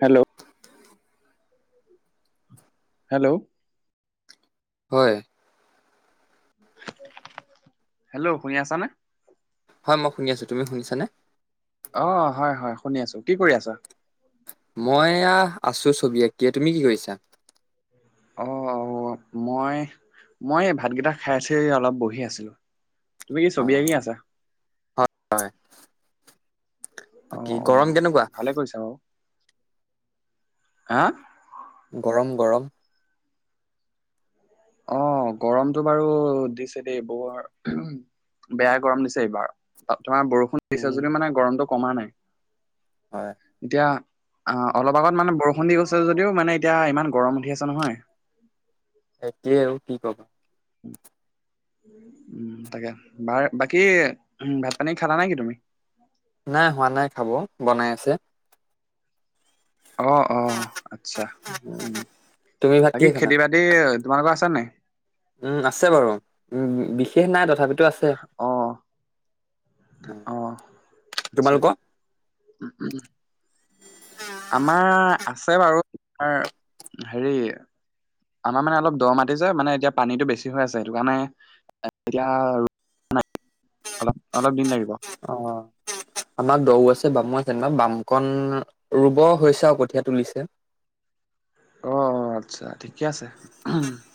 Hello [inaudible] hello! হয়? [unintelligible] [unintelligible] Hello! শুনি আছা নে? হয়, মই শুনি আছোঁ। তুমি শুনিছানে? [unintelligible] অঁ! হয়-হয়, শুনি আছোঁ। কি কৰি আছা? [unintelligible] মই এয়া আছোঁ ছবি আঁকিয়ে। তুমি কি কৰিছা? [unintelligible] অঁ-অঁ! মই-মই এই ভাতকেইটা খাই উঠি এই অলপ বহি আছিলোঁ। [unintelligible] তুমি কি ছবি আঁকি অ' আছা? [unintelligible] হয়! [inaudible] বাকী গৰম অঁ-অঁ! কেনেকুৱা? ভালে কৰিছা বাৰু। হা? [unintelligible] গৰম-গৰম [unintelligible] অঁ! গৰমটো বাৰু দিছে দেই, বৰ [unintelligible] বেয়া গৰম দিছে এইবাৰ। তোমাৰ বৰষুণ দিছে উম যদিও মানে গৰমটো কমা নাই। [unintelligible] হয়। [unintelligible] এতিয়া অঁ অলপ আগত মানে বৰষুণ দি গৈছে যদিও মানে এতিয়া ইমান গৰম উঠি আছে নহয়। [unintelligible] সেইটোৱেই আৰু কি কম? [unintelligible] [inaudible] উম-উম, তাকে বাৰ [unintelligible] বাকী উম ভাত-পানী খালা নেকি তুমি? [unintelligible] নাই হোৱা নাই খাব বনাই আছে। [unintelligible] অঁ-অঁ, আচ্ছা। তুমি [inaudible] ভাত বাকী কিহে খালা? খেতি-বাতি এ তোমালোকৰ আছে নাই? [unintelligible] উম আছে বাৰু, উম বিশেষ নাই তথাপিতো আছে। [unintelligible] উম, অঁ! আচ্ছা তোমালোকৰ? [unintelligible] আমাৰ আছে বাৰু আমাৰ হেৰি [inaudible] আমাৰ মানে অলপ দ মাটি যে মানে এতিয়া পানীটো বেছি হৈ আছে, সেইটো কাৰণে [unintelligible] এতিয়া ৰুই হোৱা নাই [unintelligible] অলপ-অলপ দিন লাগিব। [inaudible] অঁ! [unintelligible] আমাৰ দ আছে বামু আছে। বাম কণ ৰুব হৈছে আৰু কঠীয়া তুলিছে। [unintelligible] অঁ-অ‍ঁ! আচ্ছা ঠিকে আছে। [unintelligible]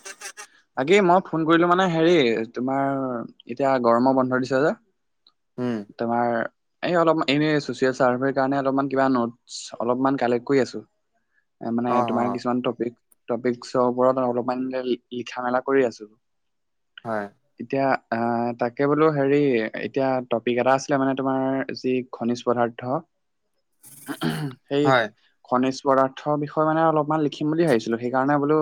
বাকী মই ফোন কৰিলোঁ মানে হেৰি তোমাৰ [unintelligible] এতিয়া গৰমৰ বন্ধ দিছে যে উম তোমাৰ [unintelligible] এই অলপ মান এনেই ছ'চিয়েল চাৰ্ভে কাৰণে কিবা অলপ মান কিবা নোটছ কালেক্ট কৰি আছো। [unintelligible] এ মানে অ' তোমাৰ অ' কিছুমান টপিক-টপিকচৰ ওপৰত অলপমান লিখা-মেলা কৰি আছোঁ। [unintelligible] হয়। [inaudible] এতিয়া অ তাকে বোলো হেৰি এতিয়া টপিক এটা আছিলে মানে তোমাৰ যি [unintelligible] খনিজ পদাৰ্থ [unintelligible] সেই হয় খনিজ পদাৰ্থৰ বিষয়ে মানে অলপ অলমান লিখিম বুলি ভাবিছিলোঁ। সেইকাৰণে বোলো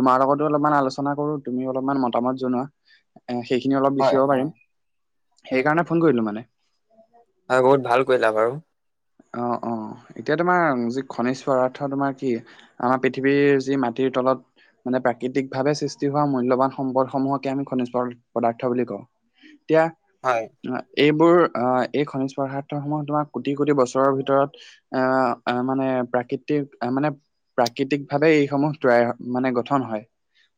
তোমাৰ লগতো অলপমান আলোচনা কৰোঁ। তুমি অলপমান মতামত জনোৱা। [unintelligible] এ সেইখিনি অলপ হয় লিখিব হয়। পাৰিম। উম সেই কাৰণে ফোন কৰিলো মানে। [unintelligible] হয়, বহুত ভাল কৰিলা বাৰু। [inaudible] অঁ-অঁ, এতিয়া তোমাৰ যি খনিজ পদাৰ্থ তোমাৰ কি? [inaudible] আমাৰ পৃথিৱীৰ যি মাটিৰ তলত [unintelligible] মানে প্ৰাকৃতিকভাৱে সৃষ্টি হোৱা মূল্যৱান সম্পদসমূহকে আমি খনিজ [unintelligible] পদাৰ্থ বুলি কওঁ। এতিয়া [unintelligible] হয় এইবোৰ আহ এই খনিজ পদাৰ্থসমূহ তোমাৰ কোটি কোটি বছৰৰ ভিতৰত এ এ মানে প্ৰাকৃতিক মানে প্ৰাকৃতিক ভাৱে এইসমূহ তৈয়াৰ মানে গঠন হয়।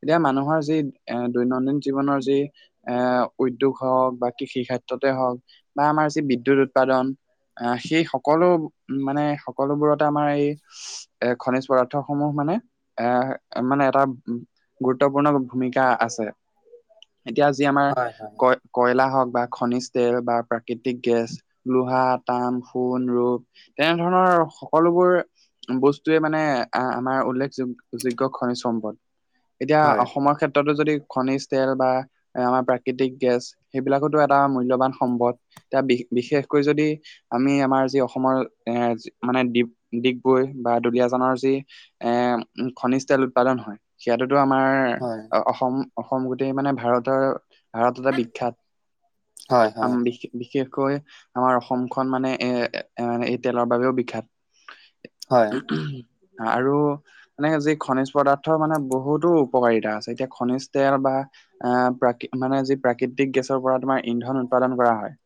এতিয়া মানুহৰ যি এ দৈনন্দিন জীৱনৰ যি এ উদ্যোগ হওক বা কৃষি ক্ষেত্ৰতে হওক বা আমাৰ যি বিদ্যুৎ উৎপাদন, আহ সেই সকলো মানে সকলোবোৰতে আমাৰ এই এ খনিজ পদাৰ্থ সমূহ মানে এ মানে এটা গুৰুত্বপূৰ্ণ ভূমিকা আছে এতিয়া যি আমাৰ হয়। কয়- কয়লা হওক বা খনিজ তেল বা প্ৰাকৃতিক গেছ লোহা, তাম, সোণ, ৰূপ তেনেধৰণৰ সকলোবোৰ বস্তুৱে মানে আহ আমাৰ উল্লেখ যোগ যোগ্য খনিজ সম্পদ। এতিয়া অসমৰ ক্ষেত্ৰতো যদি খনিজ তেল বা আমাৰ প্ৰাকৃতিক গেছ সেইবিলাকতো এটা মূল্যবান সম্পদ এতিয়া বিশেষকৈ যদি আমি আমাৰ যি অসমৰ এ মানে ডিপ ডিগবৈ বা দুলিয়াজানৰ যি এ খনিজ তেল উৎপাদন হয় সিয়াটেতো আমাৰ এ অসম অসম গোটেই মানে ভাৰতৰ ভাৰততে বিখ্যাত আম বি- বিশেষকৈ আমাৰ অসমখন মানে এ এই তেলৰ বাবেও বিখ্যাত। আ আৰু এনে যি খনিজ পদাৰ্থ মানে বহুতো উপকাৰিতা আছে এতিয়া খনিজ তেল বা আহ প্ৰকৃ মানে যি প্ৰাকৃতিক গেছৰ পৰা তোমাৰ ইন্ধন উৎপাদন কৰা হয়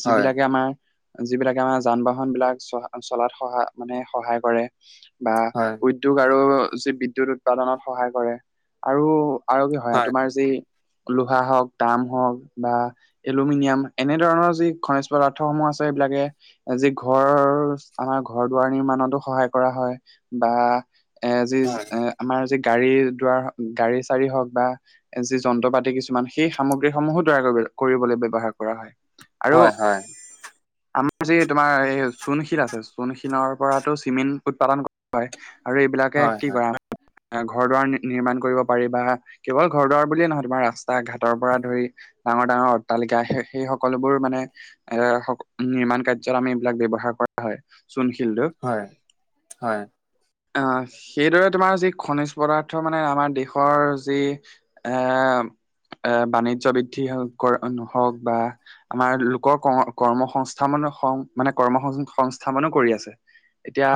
যিবিলাকে আমাৰ যিবিলাকে আমাৰ যান বাহন বিলাক চহা চলাত সহা মানে সহায় কৰে বা উদ্যোগ আৰু যি বিদ্যুৎ উৎপাদনত সহায় কৰে আৰু আৰু কি হয় তোমাৰ যি লোহা হওক তাম হওক বা এলুমিনিয়াম এনেধৰণৰ যি খনেজ পদাৰ্থ সমূহ আছে এইবিলাকে যি ঘৰ আমাৰ ঘৰ-দুৱাৰ নিৰ্মানতো সহায় কৰা হয় বা এ যি এ আমাৰ যি গাড়ী দুৱাৰ গাড়ী চাৰি হওক বা যি যন্ত্ৰ পাতি কিছুমান সেই সামগ্ৰীসমূহো তৈয়াৰ কৰিব কৰিবলৈ ব্যৱহাৰ কৰা হয়। আৰু হয় হয় আমাৰ যি তোমাৰ এই চূণ শিল আছে চূণ শিলৰ পৰাটো চিমেণ্ট উৎপাদন কৰা হয়। আৰু এইবিলাকে কি কৰে ঘৰ-দুৱাৰ নিৰ্মাণ কৰিব পাৰি বা কেৱল ঘৰ-দুৱাৰ বুলিয়ে নহয় তোমাৰ ৰাস্তা ঘাটৰ পৰা ধৰি ডাঙৰ ডাঙৰ অট্টালিকা সে সেই সকলোবোৰ মানে এৰ- নিৰ্মাণ কাৰ্যত আমি এইবিলাক ব্যৱহাৰ কৰা হয় চূণশিল টো। হয় হয় অ সেইদৰে তোমাৰ যি খনিজ পদাৰ্থ মানে আমাৰ দেশৰ যি এ এ বাণিজ্য বৃদ্ধি হওক কৰ অ নো হওক বা আমাৰ লোকৰ ক কৰ্মসং- স্থাপন সং মানে কৰ্ম সং সংস্থাপনো কৰি আছে এতিয়া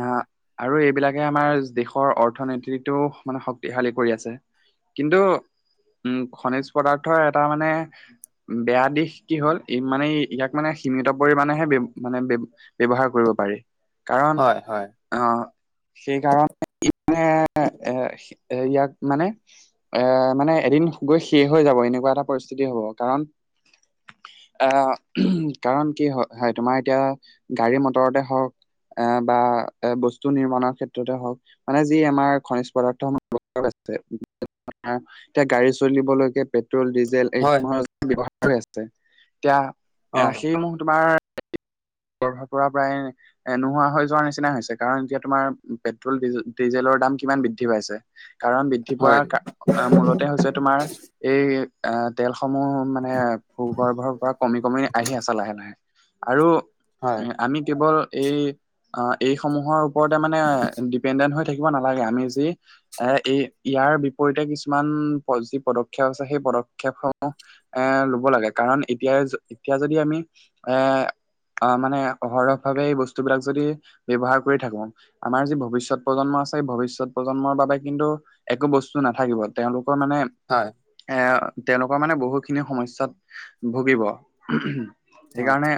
আহ আৰু এইবিলাকে আমাৰ দেশৰ অৰ্থনীতিটো মানে শক্তিশালী কৰি আছে। কিন্তু উম খনিজ পদাৰ্থৰ এটা মানে বেয়া দিশ কি হ'ল ই মানে ইয়াক মানে সীমিত পৰিমণেহে মানে হে ব্য ব্য ব্যৱহাৰ কৰিব পাৰি কাৰণ, অ সেইকাৰণে মানে এ ইয়াক মানে। এ মানে এদিন গৈ শেষ হৈ যাব এনেকুৱা এটা পৰিস্থিতি হ'ব কাৰণ, আহ কাৰণ কি হয় হয় তোমাৰ এতিয়া গাড়ী মটৰতে হওক, এ বা এ বস্তু নিৰ্মাণৰ ক্ষেত্ৰতে হওক, মানে যি আমাৰ খনিজ পদাৰ্থ সমহ আছে, এতিয়া গাড়ী চলিবলৈকে পেট্ৰল ডিজেল এইসম ব্যৱহাৰ হৈ আছে এতিয়া অ মাক তোমাৰ, ভাৰ পৰা প্ৰায়, এ নোহোৱা হৈ যোৱাৰ নিচিনা হৈছে কাৰণ এতিয়া তোমাৰ পেট্ৰল ডিজেলৰ দাম কিমান বৃদ্ধি পাইছে। কাৰণ বৃদ্ধি পোৱাৰ মূলতে হৈছে তোমাৰ এই, আহ তেলসমূহ মানে ভূগৰ্ভৰ পৰা কমি কমি আহি আছে লাহে লাহে। আৰু আমি কেৱল এই এই সমূহৰ, ওপৰতে মানে ডিপেণ্ডেণ্ট হৈ থাকিব নালাগে আমি যি, এ এই ইয়াৰ বিপৰীতে কিছুমান যি পদক্ষেপ আছে সেই পদক্ষেপসমূহ এ লব লাগে কাৰণ এতিয়াই এতিয়া যদি আমি এ অ মানে অহৰহ ভাৱে এই বস্তু বিলাক যদি ব্যয়ৱহাৰ কৰি থাকো। আমাৰ যি ভৱিষ্যত প্ৰজন্ম আছে ভৱিষ্যত প্ৰজন্মৰ বাবে কিন্তু, একো বস্তু নাথাকিব তেওঁলোকৰ মানে। হয়। এ তেওঁলোকৰ মানে বহুতখিনি সমস্যয়াত ভুগিব সেইকাৰণে।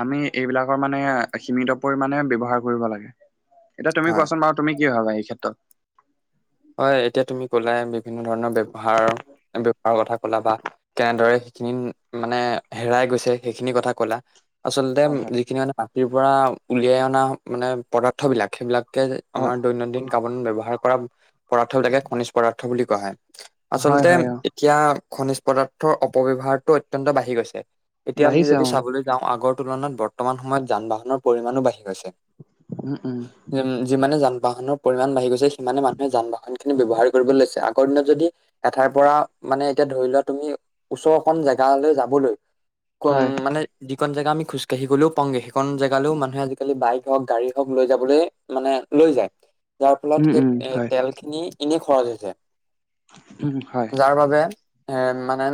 আমি এইবিলাকৰ মানে সীমিত পৰিমামানে ব্যৱহাৰ কৰিব লাগে এতিয়া তুমি কোৱাচোন বাৰু তুমি কি ভাবা এই ক্ষেত্ৰত, হয় এতিয়া তুমি ক'লাই বিভিন্ন ধৰণৰ ব্যৱহাৰ ব্যৱহাৰৰ কথা কলা বা, কেনেদৰে সেইখিনি মানে হেৰাই গৈছে সেইখিনি কথা কলা। আচলতে হয় যিখিনি মানে মাটিৰ পৰা উলিয়াই অনা মানে পদাৰ্থ বিলাক সেইবিলাক। হয় আমাৰ দৈনন্দিন কামত ব্যৱহাৰ কৰা। পদাৰ্থ বিলাকে খনিজ পদাৰ্থ বুলি কোৱা হয় হয় হয় আচলতে, হয় অ সেয়া খনিজ পদাৰ্থৰ অপব্যৱহাৰৰ অত্যন্ত বাঢ়ি গৈছে এতিয়া আমি বাঢ়িছে অ যদি চাবলৈ, যাওঁ আগৰ তুলনাত বৰ্তমান সময়ত যান বাহনৰ পৰিমামানো বাঢ়ি গৈছে। উম উম, উম যিমানে যান বাহনৰ পৰিমাণ বাঢ়ি গৈছে সিমানে মানুহে যান বাহন, ন খিনি ব্যৱহাৰ কৰিবলৈ লৈছে আগৰ দিনত যদি এঠাইৰ পৰা মানে এতিয়া ধৰি লোৱা তুমি, ওচৰ অকন জেগালৈ যাবলৈ কম হয় মানে। যিখন জেগ আমি খোজকাঢ়ি গলেওগে সেইখন জোলও মানুহ আজালি বাইক হওক গাডী হক লৈ যাবলে, মানে লৈ যায়। যাৰ ফলত উম সেই উম এ হয় তেলখিনি এনেই খৰচ হৈছে উম হয় যাৰ বাবে। এ মানে।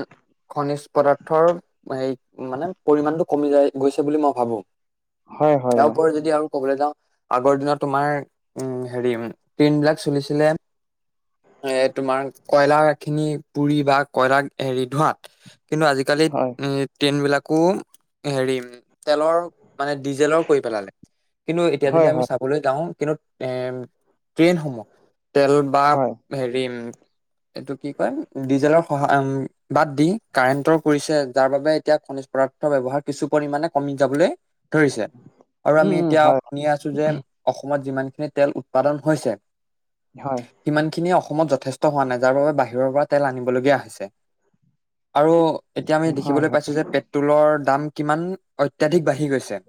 খনিজ পদাৰ্থৰ হে মানে পৰিমণটো কমি যায় গৈছে বুলি মই ভাবো। হয় হয় আৰু অ কয় যদি আৰু ক'বলৈ যাও আগৰ দিনত তোমাৰ উম হেৰি ট্ৰেইন বিলাক চলিছিলে। এ তোমাৰ কয়লা খিনি পুৰি বা কয়লাৰ হেৰি ধোৱাত কিন্তু আজি, আজিকালি ট্ৰেইন বিলাকো হেৰি, তেলৰ মানে ডিজেলৰ কৰি পেলালে কিন্তু এতিয়া হয় হয় যদি আমি হয় চাবলৈ যাওঁ কিন্তু, এ ট্ৰেইনসমূহ। তেল বা হয় হেৰি। এইটো কি কয়? ডিজেলৰ সহায় বাদ দি কাৰেণ্টৰ কৰিছে, যাৰ বাবে এতিয়া খনিজ পদাৰ্থ ব্যৱহাৰ কিছু পৰিমাণে কমি যাবলে ধৰিছে, আৰু উম আমি উম এতিয়া হয় শুনি আছো যে অসমত যিমানখিনি তেল উৎপাদন হৈছে। হয়। সিমানখিনিয়ে অসমত যথেষ্ট হোৱা নাই, যাৰ বাবে বাহিৰৰ পৰা তেল আনিবলগীয়া হৈছে। আৰু এতিয়া আমি হয় দেখিবলৈ হয় পাইছো যে পে ট্ৰ'লৰ দাম কিমান অত্যাধিক বাঢ়ি গৈছে।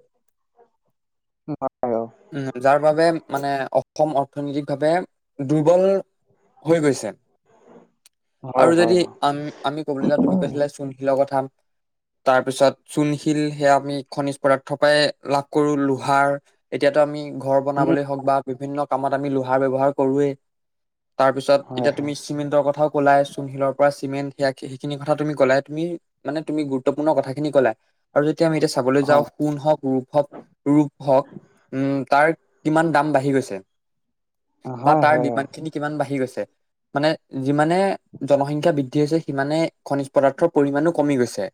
[unintelligible] উম, যাৰ বাবে মানে অসম অৰ্থনৈতিক ভাৱে দুৰ্বল হৈ গৈছে। হয় আৰু যদি হয় অ আম আমি কবলৈ যাওঁ তুমি উম কৈছিলা চুনশিলৰ কথা। তাৰপিছত চুণশিল সেয়া আমি। খনিজ পদাৰ্থৰ পায় লাভ কৰো লোহাৰ, এতিয়াতো আমি ঘৰ বনাবলৈ হওঁক বা বিভিন্ন কামত আমি লোহাৰ ব্যৱহাৰ কৰোৱেই। তাৰ পিছত হয় এতিয়া তুমি হয় চিমেন্টৰ কথাও কলাই, চুনশিলৰ পৰা চিমেণ্ট সেয়া সেইখিনি কথা তুমি কলাই তুমি। মানে তুমি গুৰুত্বপূৰ্ণ কথাখিনি কলা আৰু যদি আমি এতিয়া চাবলৈ যাওঁ। হয় সোন হওক ৰূপ হক ৰূপ হওক উম তাৰ কিমান দাম বাঢ়ি গৈছে। বা হয় তাৰ হয় ডিমাণ্ড খিনি কিমান বাঢ়ি গৈছে, মানে যিমানে জনসংখ্যা বৃদ্ধি হৈছে, সিমানে খনিজ পদাৰ্থৰ পৰিমানো কমি গৈছে।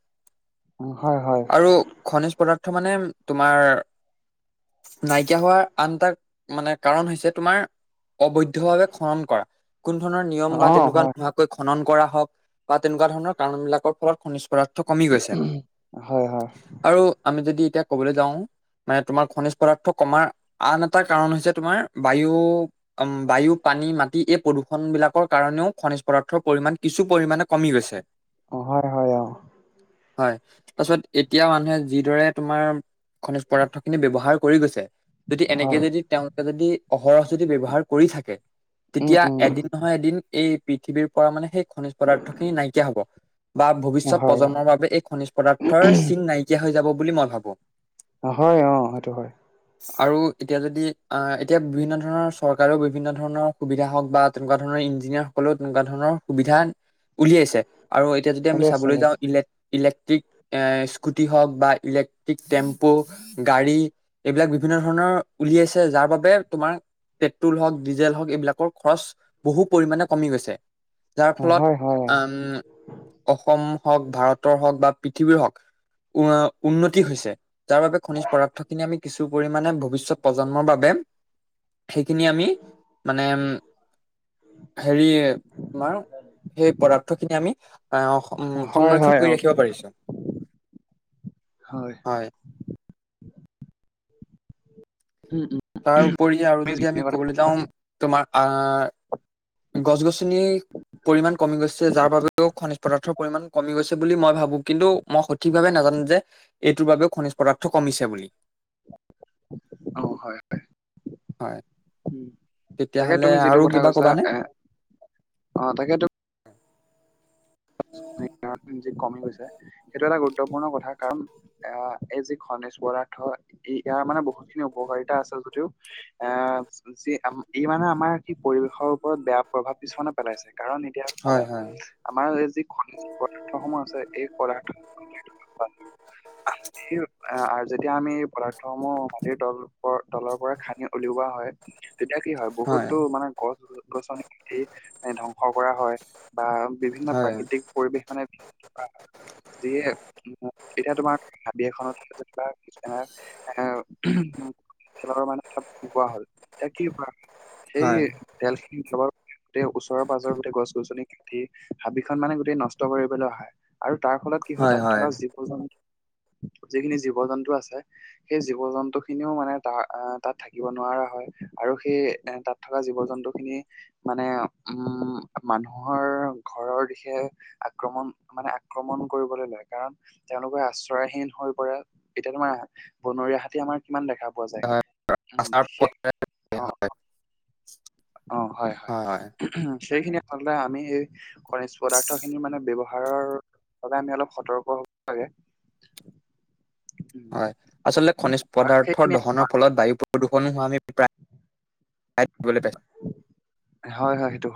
অ হয় হয় আৰু খনিজ পদাৰ্থ মানে তোমাৰ নাইকিয়া হোৱাৰ আন এটা মানে কাৰণ হৈছে তোমাৰ অবৈধ ভাৱে খনন কৰা, কোনো ধৰণৰ নিয়ম অ বা তেনেকুৱা হয় নোহোৱা খনন কৰা হওঁক বা তেনেকুৱা ধৰণৰ কাৰণ বিলাকৰ ফলত খনিজ পদাৰ্থ কমি গৈছে, হয় হয় আৰু আমি যদি এতিয়া কবলৈ যাওঁ মানে তোমাৰ খনিজ পদাৰ্থ কমাৰ আন এটা কাৰণ হৈছে তোমাৰ বায়ু। বায়ু, পানী, মাটি এই প্ৰদূষণ বিলাকৰ কাৰণেও খনিজ পদাৰ্থৰ পৰিমাণ কিছু পৰিমাণে কমি গৈছে। অঁ হয় হয় অঁ হয়। তাৰপিছত এতিয়া মানুহে যিদৰে তোমাৰ খনিজ পদাৰ্থ খিনি ব্যৱহাৰ কৰি গৈছে, যদি হয় এনেকে যদি তেওঁলোকে যদি অহৰহ যদি ব্যৱহাৰ কৰি থাকে। উম তেতিয়া উম এদিন নহয় এদিন এই পৃথিৱীৰ পৰা মানে সেই খনিজ পদাৰ্থ খিনি নাইকিয়া হব, বা ভৱিষ্যত হয় প্ৰজন্মৰ বাবে এই খনিজ পদাৰ্থৰ চিন নাই কিয়া হৈ যাব বুলি মই ভাবো। অঁ হয় অঁ সেইটো হয়। আৰু এতিয়া যদি আঁহ এতিয়া বিভিন্ন ধৰণৰ চৰ বিভিন্ন ধৰণৰ সুবিধা হওক বা তেনেকুৱা ধৰণৰ ইঞ্জিনিয়াৰ সকলেও তেনেকুৱা ধৰণ সুবিধা উলিয়াইছে, আৰু এতিয়া যদি আমি উলিয়াইছে চাবলৈ যাওঁ উলিয়াইছে ইলেক ইলেক্ট্ৰিক এ স্কুটি হওক বা ইলেক্ট্ৰিক টেম্পু গাড়ী। এইবিলাক বিভিন্ন ধৰণৰ উলিয়াইছে, যাৰ বাবে তোমাৰ পেট্ৰল হওক ডিজেল হওক এইবিলাকৰ খৰচ বহু পৰিমাণে কমি গৈছে। যাৰ হয় হয় ফলত আঁম অসম হওক ভাৰতৰ হওক বা পৃথিৱীৰ হওক উ উন্নতি হৈছে। যাৰ বাবে, খনিজ পদাৰ্থখিনি আমি কিছু পৰিমাণে ভৱিষ্যত প্ৰজন্মৰ বাবে সেইখিনি আমি মানে উম হেৰি তোমাৰ সেই পদাৰ্থ খিনি আমি আহ উম অ হয় হয় সংৰক্ষণ অ কৰি ৰাখিব পাৰি চোন হয় উম উম তাৰ উপৰি আৰু তুমি যদি যিখিনি আমি কথা ক'বলৈ যাওঁ তোমাৰ আহ গছ গছনি পৰিমাণ কমি গৈছে যাৰ বাবেও খনিজ পদাৰ্থৰ পৰিমাণ কমি গৈছে বুলি মই ভাবো কিন্তু মই সঠিকভাৱে নাজানো যে এইটোৰ বাবেও খনিজ পদাৰ্থ কমিছে বুলি অ হয় হয় হয় তাকে তেতিয়াহ'লে তুমি যিটো আৰু কথা কিবা কৈছা কবানে এ অ তাকেইটো [unintelligible] কমি গৈছে সেইটো এটা গুৰুত্বপূৰ্ণ কথা কাৰণ এ এই যি খনিজ পদাৰ্থ ই ইয়াৰ মানে বহুত খিনি উপকাৰিতা আছে যদিও এ যি ই মানে আমাৰ ই পৰিৱেশৰ ওপৰত বেয়া প্ৰভাৱ কিছুমানে পেলাইছে কাৰণ এতিয়া চাবা হয় হয় আমাৰ এই যি খনিজ পদাৰ্থ সমূহ আছে এই পদাৰ্থ হয় সেই আ যেতিয়া আমি এই পদাৰ্থ সমূহ মাটিৰ তল তলৰ পৰা খান্দি উলিওৱা হয় তেতিয়া কি হয় বহুতো মানে গছ গছনি এ ধ্বংস কৰা হয় বা বিভিন্ন হয় প্ৰাকৃতিক পৰিৱেশ মানে যিয়ে এতিয়া তোমাৰ হাবি এখনত [unintelligible] এ খেলৰ মানে বুজি পোৱা হ'ল এতিয়া কি হয় সেই হয় তেল খিনি তেল ওচৰৰে পাজৰে গছ গছনি কাটি হাবিখন মানে গোটেই নষ্ট কৰি পেলোৱা হয় আৰু তাৰ ফলত কি হয় তাত থকা জীৱ জন্তু যিখিনি জীৱ জন্তু আছে সেই জীৱ জন্তু খিনিও মানে তাৰ আহ তাত থাকিব নোৱাৰা হয় আৰু সেই এ তাত থকা জীৱ জন্তু খিনি মানে উম মানুহৰ ঘৰৰ দিশে আক্ৰমণ মানে আক্ৰমণ কৰিবলৈ লয় কাৰণ তেওঁলোকে আশ্ৰয়হীন হৈ পৰে তেতিয়া তোমাৰ বনৰীয়া হাতী আমাৰ কিমান দেখা পোৱা হয় যায় উম আচাৰ বিশেষ পথে অ [unintelligible] অ হয় হয় ও হুম সেইখিনি আচলতে আমি সেই খনিজ পদাৰ্থ খিনি মানে ব্যৱহাৰৰ বাবে আমি অলপ সতৰ্ক হ'ব লাগে উম হয় আচলতে খনিজ বা পদাৰ্থৰ সেইখিনি দহনৰ ফলত বায়ু প প্ৰদূষণো হোৱা আমি প্ৰায় প্ৰায় দেখিবলৈ পাইছোঁ হয় হয় সেইটো হয়